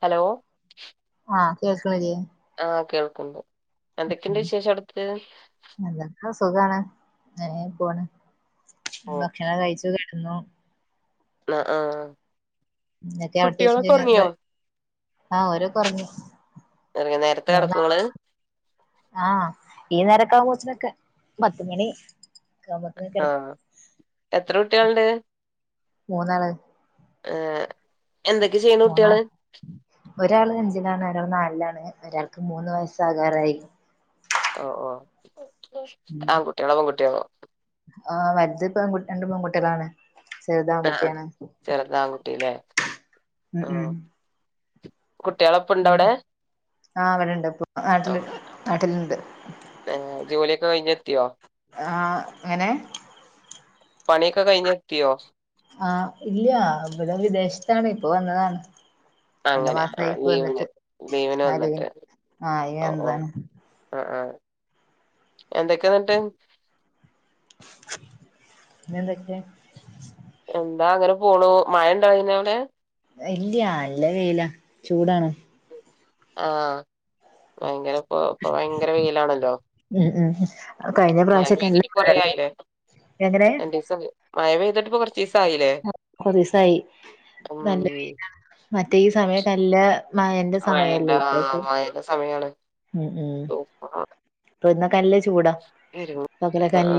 Hello ആ കേൾക്ക്‌ണില്ലേ? ആ കേൾക്ണ്ട് എന്തൊക്കെണ്ട് ഉം. വിശേഷം അടുത്ത് എന്തൊക്കെ സുഖാണ് ങ്ങനെ പോണ് ഭക്ഷണം കഴിച്ച് കെടന്നു അ ആ ന്തൊക്കെ അവിടത്തെ [unintelligible] ആഹ് ഓരോക്കൊറങ്ങി ഒറങ്ങിയോ നേരത്തെ കെടക്കോ ഇങ്ങള് മൂന്നാളാണ് ആഹ ഈ നേര അവോസനൊക്കെ പത്ത് മണി ഒക്കെ ആവുമ്പോത്തിന് ആ കിടക്കും എത്ര കുട്ട്യേള്ണ്ട് മൂന്നാള് ഹ് എന്തൊക്കെ ചെയ്യ്‌ണ് കുട്ടേള്? ഒരാൾ അഞ്ചിലാണ് ഒരാൾ നാലിലാണ് ഒരാൾക്ക് മൂന്ന് വയസ്സാകാറായി ഓ ഓ ആൺകുട്ട്യാളോ പെൺകുട്ട്യാളോ ആ വല്ത് പ്പൊ രണ്ട് പെൺകുട്ടേളാണ് ആ ചെറുതാങ്കുട്ടിലേ ഉം ആ ഉം കുട്ടിയാളെ ഇപ്പ ണ്ടോ വിടെ ആ ഇവടെണ്ട് പ്പൊ നാട്ടില് നാട്ടില്ണ്ട് തന്നെ ജോലിയൊക്കെ കയിഞ്ഞെത്തിയോ? ആ അങ്ങനെ പണിയൊക്കെ കഴിഞ്ഞെത്തിയോ ആഹ ഇല്ല ഇവിടെ വിദേശത്താണ് ഇപ്പൊ വന്നതാണ് രണ്ടു അങ്ങനെ ആ മാസായി ഇപ്പ ലീവിന് വന്നിട്ട് ലീവിന് ആലുവിൽ വന്നിട്ട് ആഹ് ഇനി ഒ ഓ വന്നതാണ് അ ആഎന്തൊക്കെന്നിട്ട്? പിന്നെന്തൊക്കെ? എന്താ അങ്ങനെ പോണു മഴ ഇണ്ടായിന്നോ അവിടെ നെല്ല്യ നല്ല വെയില ചൂടാണോ? ആ ഭയങ്കരെപ്പൊ പ്പൊ ഭയങ്കര വെയിലാണല്ലോ. ഉം ഉം കഴിഞ്ഞ മഴ പ്രാവശ്യക്കെല്ലാം പെയ്തിട്ട് കൊറേ [unintelligible] ആയില്ലേ എങ്ങനെ രണ്ടീസം മഴ പെയ്തിട്ട് ഇപ്പൊ കൊറച്ചീസായില്ലേ കൊർച്ചീസായി ഉം നല്ല മറ്റേ ഈ സമയത്തെല്ലാം മ എന്റെ സമയല്ലേ മഴന്റെ ആ ഇപ്പ ഇപ്പൊ മഴന്റെ സമയാണ് ഉം ഉം സൂപ്പറാ. ഇപ്പൊ ഇന്നക്കെഅല്ല [unintelligible] ചൂടാ വരും. ആ ആ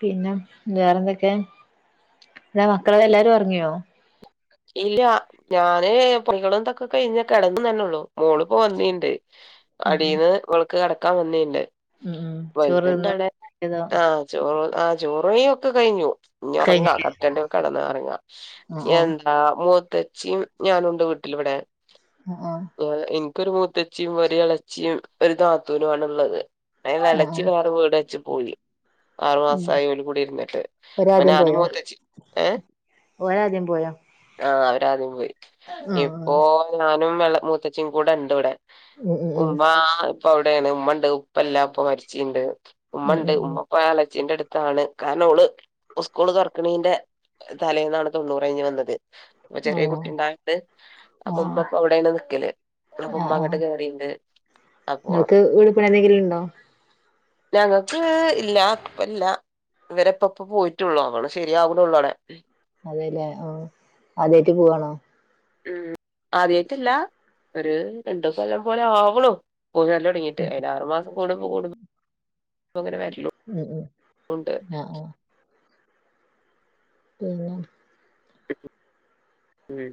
പിന്നെ വേറെന്തൊക്കെ പിന്നെ മക്കള് എല്ലാരും ഒറങ്ങിയോ ഇല്ല ഞാനെ പൊയോളുന്തൊക്കെ കഴിഞ്ഞ് കിടന്നന്നെള്ളൂ മോളിപ്പോ വന്നീണ്ട് ഉം ഉം അടീന്ന് ഓളക്ക് കിടക്കാൻ വന്നിണ്ട് ഉം ഉം ചോറ് തിന്ന് വലുതുണ്ടവിടെ ആഹ ചോറ് ആഹ് ചോറയും ഒക്കെ കഴിഞ്ഞു ഇനി കഴിഞ്ഞോ ഉറങ്ങ കട്ടണ്ടക്കെ കിടന്ന് ഉറങ്ങാം ആഹ് ആഹ് ആ മൂത്തച്ചിയും ഞാനുണ്ട് വീട്ടിലിവിടെ ആഹ് [unintelligible] ക്കൊരു മൂത്തച്ചിയും ഒരു ഇളച്ചിയും ഒരു നാത്തൂനു ആണുള്ളത് അയിൽ ആഹ് ആഹ് ഇളച്ചി ആഹ് വേറെ വീടച്ചു പോയി ആറു ഉം മാസായി ഓര് കുടി ഇരുന്നിട്ട് ഇപ്പം ഒരാദ്യം ഞാനും പോയോ മൂത്തച്ചി എ ഓരാദ്യം പോയോ ആ അവര്ദ്യം പോയി ആഹ് ഇപ്പൊ ആഹ് ഞാനും വെള്ള മൂത്തച്ച്ചും കൂടെ ഉണ്ട് ഇവിടെ ഉം ഉം ഉമ്മ ഇപ്പൊ അവിടെയാണ് ഉമ്മണ്ട് ഉപ്പ ഇല്ല ഉപ്പ മരിച്ചിണ്ട് ഉം ഉമ്മണ്ട് ഉം ഉമ്മ ഉം പ്പ ഇലച്ചീന്റെടുത്ത് ാണ് കാരണം അവള് സ്കൂൾ തുർക്കിണീന്റെ തലേന്നാണ് തൊണ്ണുറ് കയിഞ്ഞ് വന്നത് അപ്പൊ ചെറിയ ഓഹ് കുട്ടിണ്ടായിണ്ട് അപ്പൊ ആഹ് ഉമ്മ പ്പം അവിടെയാണ് നിക്കല് ഉമ്മാ ആഹ് ആഹ് അങ്ങോട്ട് കേറിയിണ്ട് നിങ്ങൾക്ക് വീടുപ്പണി എന്തെങ്കിലും ഉണ്ടോ ഞങ്ങക്ക് ഇല്ല പ്പല്ല ഇവരപ്പ ഇപ്പോ പോയിട്ടൊള്ളോ അവിടെ ശരിയാകണൊള്ളൂ അവടെ അതെല്ലേ ആ ആദ്യായിട്ട് പോവാണോ ഉം ആദ്യയിട്ടല്ല ഒരു രണ്ടിസം എല്ല പോലെ ആവുള്ളൂ പോയിവരല് തുടങ്ങിയിട്ട് അയിനാറുമാസം കൂടുമ്പ കൂടുമ്പം പ്പ അങ്ങനെ വരലും ഉം ഉം ഉണ്ട് ആഹ് ആഹ് പിന്നെ ഉം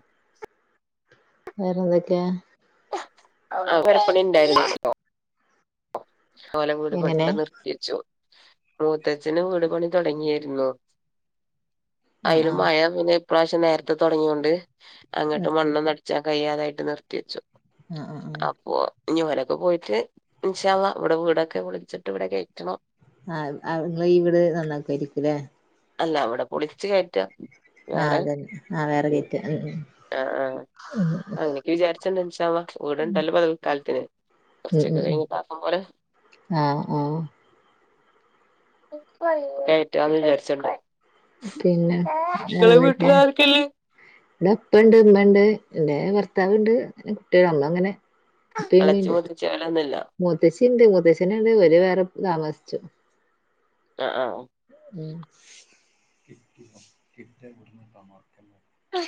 വേറെ എന്തൊക്കെയാ പ്പ ഉണ്ടായിരുന്നു അവഓല കൂടി എങ്ങനെ പെടെ നിർത്തി വച്ചു പോ മൂത്തച്ഛന് വീട് പണി തുടങ്ങിയായിരുന്നു ആഹ് അതിലും ആഹ് മഴ പിനെ ഇപ്രാവശ്യം നേരത്തെ തുടങ്ങിൊണ്ട് അങ്ങോട്ട് മണ്ണ് അടിച്ചാൻ കയ്യാതായിട്ട് നിർത്തി വെച്ചു ആഹ ആ ഉ ന്നി ഒരൊക്കെ പോയിട്ട് ഇന്ഷാ അല്ലാഹ് ഇവിടെ വീടൊക്കെ പൊളിച്ചിട്ട് ഇവിടെ കയറ്റണം ആ ആ ങ്ങള് ഇവിടെ നന്നാക്കയിരിക്കൂലെ അല്ല അവിടെ പൊളിച്ചു കയറ്റ ആഹ അതന്നെ ആ വേറെ കറ്റ് ഉ ആഹ് ആഹ അങ്ങനൊക്കെ വിചാരിച്ചണ്ടനച്ചാ ഓടെണ്ടല്ലോ പത കാലത്തിന് കൊറച്ചു ഉം ഒക്കെ ഉം ഉം കഴിഞ്ഞിട്ട് ആക്കം പോലെ ആഹ് ആഹ് ഡയറ്റ് അന്ന് വിചാരിച്ചണ്ട് പിന്നെ വേറെ എന്തൊക്കെ വീട്ടിൽ ആർക്കെല്ലേ വ്ടെ ഇപ്പ ഉണ്ട് ഉമ്മ ഉണ്ട് എന്റെ ഭർത്താവ് ഉണ്ട് കുട്ടികള് അമ്മള് അങ്ങനെ പ്പേം മ്മേം എളച്ചി ഉണ്ട് മൂത്തച്ചി ഓലൊന്നുല്ല മൂത്തശ്ശന ഉണ്ട് വ വേറെ ഇതാ വസ്ച്ചു ആഹ ആഹ് ക കിട്ടട്ടമാർക്ക ആ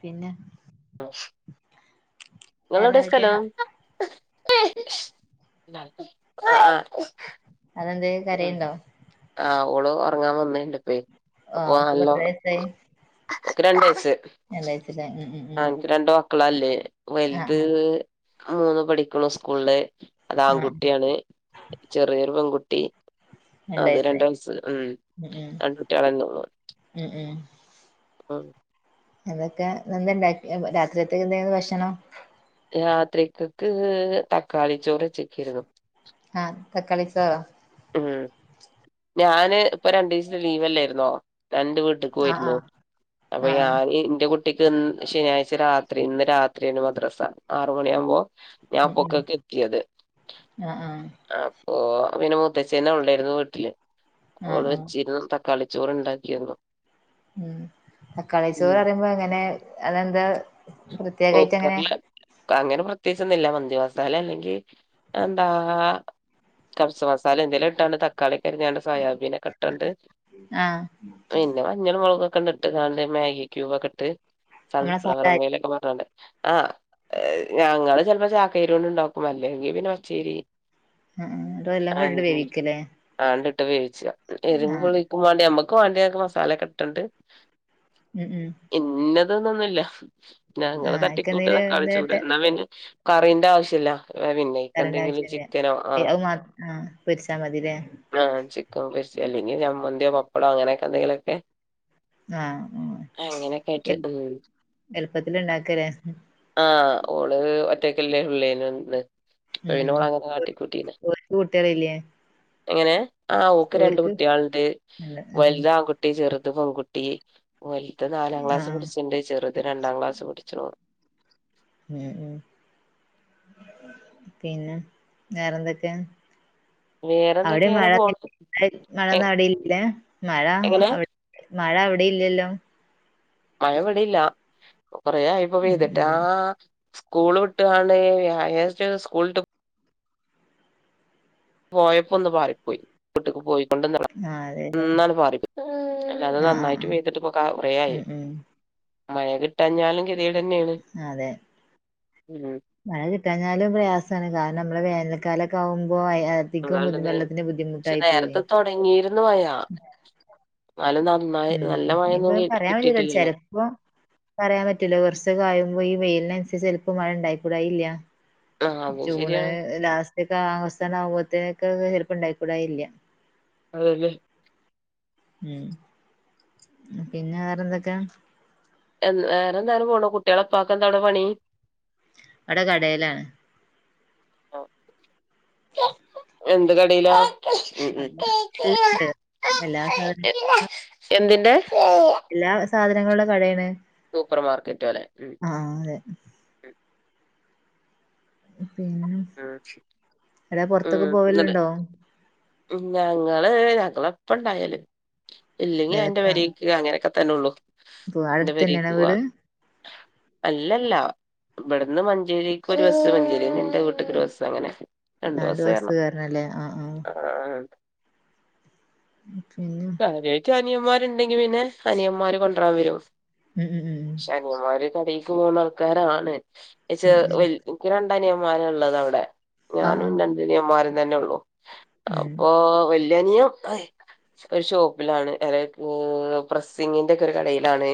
പിന്നെ ആഹ ങ്ങളെവിടെ വേറെന്തൊക്കെ സ്ഥലം ആ അതെന്തേ ഉം. കരയ്ണ്ടോ ആ ഓള് ഉറങ്ങാൻ വന്നന്റോപ്പേ ആഹ് അപ്പൊ ഓക്ക് ഇപ്പോ നല്ല എത്ര രണ്ട വയസ് രണ്ടഴച്ചട്ട ഉം ഉം ഉം മക്കളല്ലേ ആഹ് വലുത് മൂന്ന് പഠിക്കണു സ്കൂളില് അത് ആഹ് ആഹ് ആൺകുട്ടിയാണ് ചെറിയൊരു പെൺകുട്ടി രണ്ട് അത വയസ്സായി രണ്ടസ ഉം ഉം ഉം രണ്ട കുട്ടിക ആള ഉം എന്തൊക്കെ എന്തണ്ട രാത്രിയത്തക്ക എന്തെിലും ഭക്ഷണം രാത്രികക് തക്കാളി ചോറ് വെച്ചിക്കയന്ന് തക്കളി സ ഉം ഞാന് ഇപ്പൊ രണ്ടു ദിവസത്തെ ലീവ്ല്ലായിരുന്നോ രണ്ട് വീട്ടേക്ക് ആഹ് പോയിരുന്നു ആഹ് അപ്പൊ ആഹ് ആഹ് ഞാന് എന്റെ കുട്ട കുട്ടിക്ക് ശനിയാഴ്ച രാത്രി ഇന്ന് രാത്രിയാണ് മദ്രാസ ആറ മണിയാകുമ്പോൾ ഞാൻ ഉം ഉം പൊക്കൊക്കെ എത്തിയത് ആഹ് ആഹ് ആ ഓ പിനെ മുത്തച്ഛിന്നെ ഉണ്ടായിരുന്നു വീട്ടില് ഓൾ ആഹ് ആഹ് വെച്ചിരുന്നു കളിച്ചോറ് ഉണ്ടാക്കിരുന്നു ഉം കളിച്ചോർ അറിയുമ്പോ എങ്ങനെ അതെന്താ പ്രൃത്യേകായിട്ട് അങ്ങനെ കുക്കറില് അങ്ങനെ പ്രത്യേകിച്ചൊന്നില്ല മന്തിമസാല അല്ലെങ്കിൽ എന്താ കർസ മസാല എന്തെങ്കിലും ഇട്ടാണ് തക്കാളി കയിഞ്ഞാണ്ട് സോയാാബീനൊക്കെ ഇട്ടണ്ട് ആഹ് പിന്നെ മഞ്ഞൾ മുളക് ക്കെണ്ട് ഇട്ട്ങ്ങാണ്ട് മാഗി ക്യൂബൊക്കെട്ട് നമ്മളെ സൺഫ്ലവർ സാധാ അരി ഓയലൊ ആ് ഞങ്ങള് ചെപ്പോ ചാക്കേരി കൊണ്ട്ണ്ടാക്കും അല്ലെങ്കി പിന്നെ പ ച്ചേരി ആ അത എല്ലാം കൊടെട്ട് വേവിക്കലേ ഇട്ട് വേവിച്ച എരും പുളിക്കും വേണ്ടി ഞമ്മക്ക് വേണ്ടിയ മസാലൊക്കെട്ടാണ്ട് ഉം ഉം തിന്നൊന്നുല്ല ഞങ്ങള് ആഹ് തട്ടിക്കൂട്ട അയിക്കെന്തേലും തകാളിച്ചൂട് ഇതിട്ട് ന്ന പിന്നെ കറീന്റെ ആവശ്യല്ല പിന്നക്ക കറണ്ട എന്തെങ്കിലും ആവശ്യല്ല ചിക്കനോ ആഹ് അത് മാത്ര ആഹ് പൊരിച്ചാ മതില്ലേ ആ ചി പ അല്ലെങ്കി ചമ്മന്തി പപ്പടൊ അങ്ങനൊക്കെ എന്തെങ്കിലൊക്കെ ആഹ് അങ്ങനെയൊക്കെ ആ ആയിട്ട് ഉം എളുപ്പത്തില് ഇണ്ടാക്കല. ആ ഓള് ഒറ്റക്കല്ലേ ഉള്ളേന ഒന്ന് അപ്പ ഉം ഉം പിന്നോടെ അങ്ങനെ കാട്ടിക്കൂട്ടീന്നെ ഓര്ക്ക് കുട്ടികളില്ലേ എങ്ങനെ ആ ആക്ക് രണ്ട ഓര്ക്ക് കുട്ടികളണ്ട് അല്ല ഉം ഉം വലുത ആൺകുട്ടി ചേത്ത് ഇത് പൺകുട്ടി വലത്ത് നാലാം ക്ലാസ് ആഹ് പടിച്ചിണ്ട് ചെറുത് രണ്ടാം ക്ലാസ് തോറ് ഉം ഉം പിന്നെ വേറെന്തൊക്കെ വേറെ ന്തൊക്കെയ അങ്ങനെ പോണ് മ എ മഴൊന്നും അവിടെയില്ലല്ലേ മഴ എങ്ങനെ അ മഴ അവിടെയില്ലല്ലോ മഴപെടിയില്ല കൊറേയിപ്പൊ ഉം പെയ്തിട്ടാ ഉം സ്കൂൾ വിട്ട്ണ് വ്യാഴാ സ്കൂളിട്ട് പോയപ്പോ ഒന്ന് പാറി പോയി വീട്ടിക്ക് പോയിക്കൊണ്ടള ആഹ് അതെല്ലേ എന്നാല മാറിപ്പോയി. അല്ല അത് ആഹ് ആഹ് നന്നായിട്ട് ആഹ് വെയ്ട്ടിട്ടൊകെ കൊറേയായി ഉം ഉം മഴ കിട്ടാഞ്ഞാലും ഗതികേട് തന്നെയാണ് അതെ ഉം മഴ കിട്ടാഞ്ഞാലും പ്രയാസാണ് കാരണം മ്മള് വേന കാലകാവം അധികം അതാണ്ടത് ബുദ്ധിമെല്ലത്തിന് പക്ഷെ ബുദ്ധിമുട്ടായി പോയി. നേരത്തെ അല്ലെന്താ ഉം ഇപ്പൊ പറയാൻ പറ്റൂല ചെലപ്പോ പറയാൻ പറ്റൂല. കുറച്ച് കായുമ്പോ പോ വെയിലിനനുസരിച്ച് ചിലപ്പോ മഴ ഉണ്ടായി കൂടായില്ല ആഹ് അതും ജൂണ് ശരിയാണ് ലാസ്റ്റ്ക്കാവ കൊറ ാന ആുമോത്തൊക്കെ ഹെല്പ്പ് ഉണ്ടായിക്കൂടല്ല അതെല്ലെ ഉം പിന്നെ വേറെന്തൊക്കെ എ വേറെ എന്തായാലും പോണ കുട്ടികളെ എപ്പ ആക്കെ എന്താ അവിടെ പണി അവിടെ കടയിലാണ് എന്ത് കടയില? ഉം ഉം അതെ. എല്ലണ്ട്. എല്ലാ സാധന എന്തി എന്ന [unintelligible] എല്ലാ സാധനങ്ങളുടെ കടയാണ്. സൂപ്പർ മാർക്കറ്റോലെ ഉം ആ അതെ. ഉം പിന്നെ ഉം എട ഉം പുൊറത്തൊക്കെ ഉം. എന്നിട്ട് പോവലണ്ടോ ഞങ്ങള് ഞങ്ങൾ എപ്പണ്ടായാലും ഇല്ലെങ്കി എന്റെ വരിക്ക് അങ്ങനെയൊക്കെ ത്താനേ ഉള്ളൂ. അപ്പൊ അവിടെ അടുത്തന്നെയണ വീട്. അല്ലല്ല ഇവിടുന്ന് മഞ്ചേരിക്ക് ഒരു ബസ് മഞ്ചേരിന്ന് എന്റെ വീ ഒ ഒരു ദസം അങ്ങനെ രണ്ടു രണ്ട് ദിവസ ബസ് ആണം കേറണല്ലേ. ആ ആ. ആഹ്. പിന്നെ കാര്യമായിട്ട് അനിയമാരുണ്ടെങ്കി പിന്നെ അനിയന്മാര് കൊണ്ടരാൻ വരു ഉം ഉം ഉം ഉം. ശനിയമാര് കടേക്ക് മൂന്നാൾക്കാരാണ്. ഉം ഉം. എനിക്ക് ര രണ്ടനിയമാര ഉള്ളത്. അവിടെ ആ ആ. ഞാനും രണ്ടനിയമാര തന്നെ ഉള്ളു. ഉം. അപ്പൊ വല്യാനിയും ഒരു ഷോപ്പ്ലാണ് അരെ ഓഹ് പ്രസ്സിങ്ങിന്റെ ഒക്കെ ഒര് കടയിലാണ്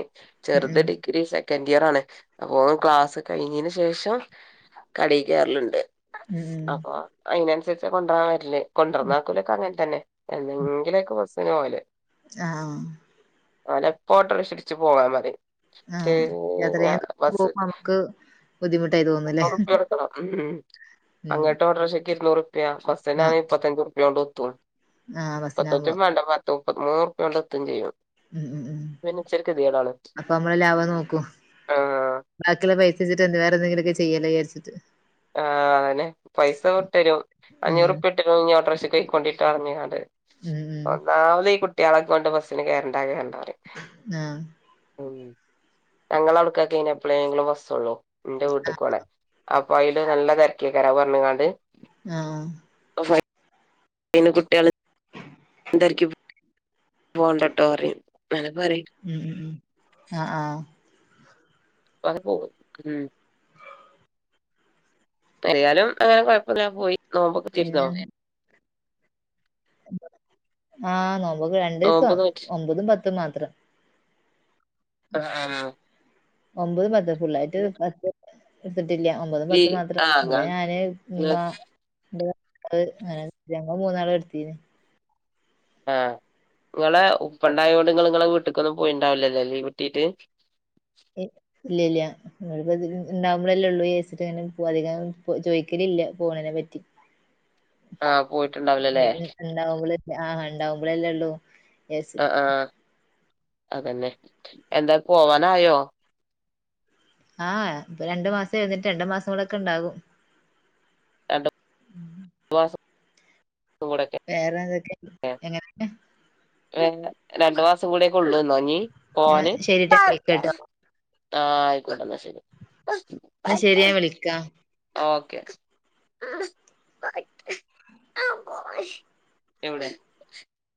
ഉം ചെറുത് ഉം. ഡിഗ്രി സെ സെക്കൻ് ഇയർ ആണ് അപ്പോൊ ക്ലാസ് കഴിഞ്ഞതിന് ശേഷം കടയിൽ കയറലുണ്ട് ഉം ഉം. അപ്പൊ അതിനന്സരിച്ച കൊണ്ട്രാൻ വരല് കൊണ്ടൊന്നക്കലൊ അങ്ങന് തന്നെ എന്തെങ്കിലുംൊക്കെ ബസ്ന് പോല് ആഹ അല്ലപ്പോ ഓട്ടംക്ഷരിച്ചു പോവാമതി ആ. ശരി ഞ യാത്രയും പോകുമ്പോ ബസ് നമുക്ക് ബുദ്ധിമുട്ടായി തോന്നുല്ലേ? പ്പ എടുക്കണം ഉം ഉം. അങ്ങിട്ട് ഓരോ ശ ഇരുന്നൂറ പ്യ ഫസ് ആ തന്നാണ് ഇപ്പത്തഞ്ഞ്ഞു റപ്യ കൊണ്ട് ഒത്തും ആ പത്തച് ബസ്സിനാവുമ്പോ. വേണ്ട പത്തും നൂറ് റുപ്യണ്ടെ അവിടെ എത്തും ചെയ്യും. ഉം ഉം ഉം പിന്നെ ഇച്ചിരി ഗതികേടാണ് അപ്പൊ മ്മളെ ലാവം നോക്കും ആഹ് ബാക്കിള്ള പൈസ വട്ട് വേറെന്തെങ്കിലുമക്കെ ചെയ്യാലോ വിചരിച്ചട്ട് ആഹ അതന്നെ പൈസ വിട്ടരും ഉം അഞ്ഞൂറ്റപ്പ ഇട്ടും അഞ്ഞൂറ്ക്ഷ കൊണ്ടിട്ട് അളങ്ങണ്ട് ഉം ഉം ഒന്നാമത് ഈ കുട്ടീളെക്കൊണ്ട് ബസ്സിന് കേറണ്ടാ ആഹ ഞങ്ങള അവിടുക്കക്ക കഞ്ഞ അപ്പളേങ്ങള് ബസ്സള്ളു എന്റെ വീട്ടിക്കടെ വൈൽ നല്ല തിരക്കിയൊക്കരാ പറഞ്ഞങ്ങാണ്ട് ആ പന കുട്ടാല അന്തരിക്ക് പോണ്ടട്ടോ പറയും പറയും ഉം ഉം ഉം ആഹ് ആഹ് അ പോ ഹ അരിയാലും അങ്ങനെ കൊഴപ്പില്ല പോയി നോമ്പൊക്കെ തീരുന്നോ പിന്നെ ആഹ് നോമ്പൊക്കെ നോമ്പ് രണ്ടീസം നോറ്റ് ഒമ്പതും പത്തും മാത്രം ആഹ ആ ഒമ്പത് മാത്ര ഫുുള്ള ആായിട്ട് പത്ത് ട്ടില്ല ഒമ്പതും ലീ പത്ത് മാത്രം ആ ഇവിടെ ഇങ്ങള് ഞാന് മ്മ ഇങ്ങള് അത് അങ്ങന ഞങ്ങൾ മൂന്നാളു ഇട്ത്തീന്നെ ആഹ് നിങ്ങളെ ഉപ്പണ്ടായതോണ്ട് നിങ്ങ നിങ്ങളെ വീട്ടക്കൊന്നും പോയിുണ്ടാവില്ലല്ലോ വട്ടീട്ട് ഇല്ല ഇല്ല്യ. മ്മപ്പോ ഇണ്ടാവുമ്പോഴല്ലേള്ളൂ ചേച്ചിട്ട് ഇങ്ങനെ പോ അധിക ചോദിക്കലില്ല പോണെ പറ്റി ആ പോയിട്ടുണ്ടാവില്ലല്ലേ ഉണ്ടാവുമ്പ ആഹ് ഉണ്ടാവുമ്പോളല്ലേള്ളൂ ആ വട്ട് ആ അതന്നെ എന്താ പോവാനായോ ആഹ് ഇപ്പൊ രണ്ടു മാസം എഴുന്നിട്ട് രണ്ടു മാസം കൂടെൊക്കെ ഇണ്ടാകും എ [unintelligible] വേറെ എന്തൊക്കെ എങ്ങനെ ഏ രണ്ടു മാസം കൂടെക്കെ ഉള്ളൂന്നോഞ്ഞീ ഏ, പോന് ശരിട്ടാ വിളിക്കട്ടോ ആഹ ആയിക്കോട്ടന്നാ ശരി എന്നാ ശരി ഞാൻ വിളിക്കാം ഓക്കെ ആഹ് കട്ട ആ എവിടെ?